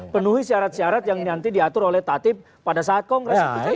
penuhi syarat syarat yang nanti diatur oleh tatib pada saat kongres